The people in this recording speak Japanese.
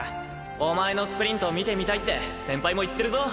おまえのスプリントを見てみたいって先輩も言ってるぞ。